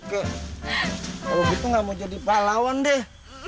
kalo gitu gak mau jadi pahlawan deh